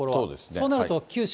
そうなると九州